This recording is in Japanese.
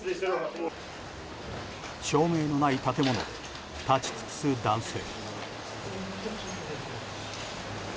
照明のない建物で立ち尽くす男性。